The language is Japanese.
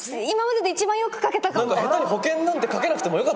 今までで一番よく描けたかも。